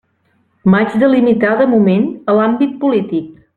M'haig de limitar de moment a l'àmbit polític.